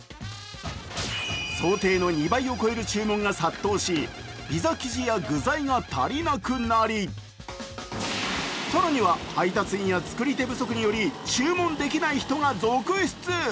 想定の２倍を超える注文が殺到し、ピザ生地や具材が足りなくなり、更には配達員や作り手不足により注文できない人が続出。